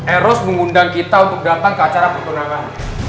eros mengundang kita untuk datang ke acara pertunangan